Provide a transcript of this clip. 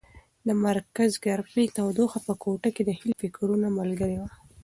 د مرکز ګرمۍ تودوخه په کوټه کې د هیلې د فکرونو ملګرې وه.